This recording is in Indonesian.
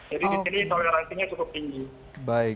jadi di sini toleransinya cukup tinggi